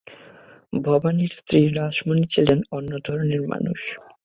ভবানীর স্ত্রী রাসমণি ছিলেন অন্য ধরনের মানুষ।